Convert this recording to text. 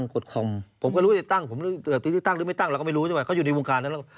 กดคอมผมก็รู้ว่าจะตั้งผมที่จะตั้งหรือไม่ตั้งเราก็ไม่รู้ใช่ไหมเขาอยู่ในวงการนั้นแล้ว